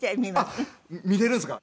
あっ見れるんですか？